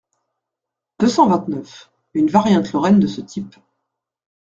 deux cent vingt-neuf), une variante lorraine de ce type.